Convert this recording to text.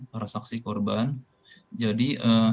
para saksi korban jadi